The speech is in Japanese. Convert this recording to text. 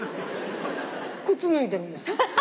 靴脱いでるんです。